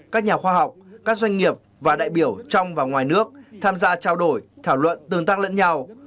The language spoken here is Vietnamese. các nhà khoa học các doanh nghiệp và đại biểu trong và ngoài nước tham gia trao đổi thảo luận tương tác lẫn nhau